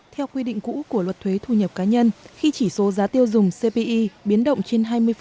theo quy định cũ của luật thuế thu nhập cá nhân khi chỉ số giá tiêu dùng cpi biến động trên hai mươi